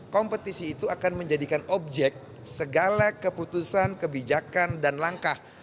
kompetisi itu akan menjadikan objek segala keputusan kebijakan dan langkah